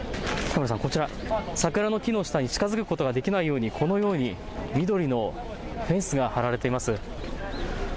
こちら桜の木の下に近づくことができないように、このように緑のフェンスが張られています。